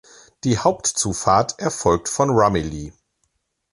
Die Hauptzufahrt erfolgt von Rumilly.